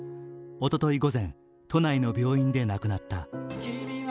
おととい午前、都内の病院で亡くなった。